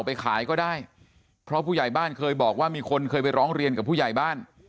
ไปขายก็ได้เพราะผู้ใหญ่บ้านเคยบอกว่ามีคนเคยไปร้องเรียนกับผู้ใหญ่บ้าน